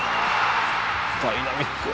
ダイナミック。